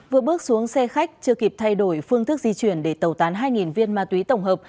vừa bước xuống xe khách chưa kịp thay đổi phương thức di chuyển để tẩu tán hai viên ma túy tổng hợp